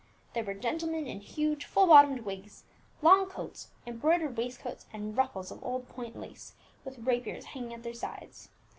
"There were gentlemen in huge, full bottomed wigs, long coats, embroidered waistcoats and ruffles of old point lace, with rapiers hanging at their sides.